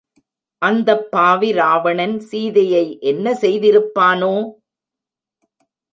அந்தப் பாவி ராவணன் சீதையை என்ன செய்திருப்பானோ?